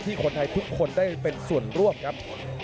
คนไทยทุกคนได้เป็นส่วนร่วมครับ